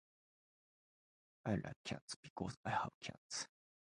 I like cats. Because I have cats.